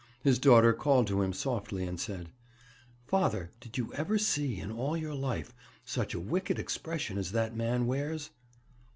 His daughter called to him softly, and said: 'Father, did you ever see, in all your life, such a wicked expression as that man wears?'